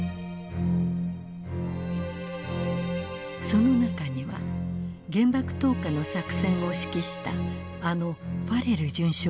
その中には原爆投下の作戦を指揮したあのファレル准将もいました。